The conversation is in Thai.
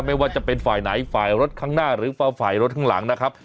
ไม่ว่าจะเป็นฝ่ายไหนฝ่ายรถข้างหน้าหรือฝ่ายรถข้างหลังนะครับ